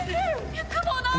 脈もない！